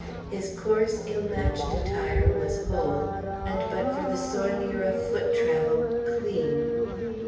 His coarse, ill matched attire was whole and, but for the soilure of foot travel, clean.